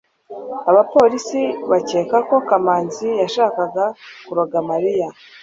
abapolisi bakeka ko kamanzi yashakaga kuroga mariya